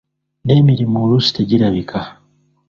N’emirimu oluusi tegirabika.